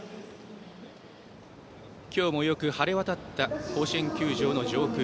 今日もよく晴れ渡った甲子園球場の上空。